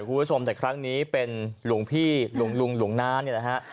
คุณผู้ชมแต่ครั้งนี้เป็นหลวงพี่หลวงหน้านี่แหละฮะ